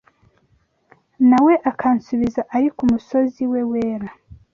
Na we akansubiza ari ku musozi we wera